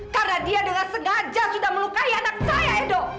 karena dia dengan sengaja sudah melukai anak saya edo